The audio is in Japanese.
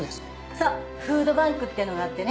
そうフードバンクっていうのがあってね